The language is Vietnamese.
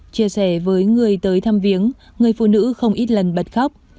chia sẻ với người tới thăm viếng người phụ nữ không ít lần bật khóc